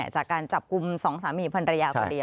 จากการจับกลุ่ม๒สามีพันรยาคนเดียว